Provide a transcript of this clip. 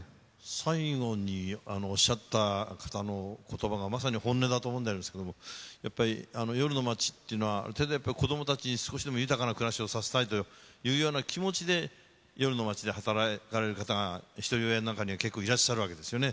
最後におっしゃった方のことばがまさに本音だと思うんでありますけれども、やっぱり夜の街っていうのは、ある程度やはり、子どもたちに豊かな暮らしをさせたいというような気持ちで夜の街で働かれる方が、ひとり親の中には結構いらっしゃるわけですよね。